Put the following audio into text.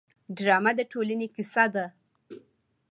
ډرامه د ټولنې کیسه ده